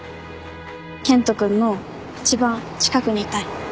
健人君の一番近くにいたい。